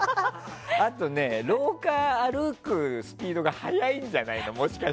あとね、廊下を歩くスピードが速いんじゃないの。